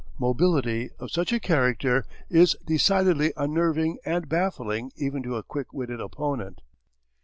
Mobility of such a character is decidedly unnerving and baffling even to a quick witted opponent.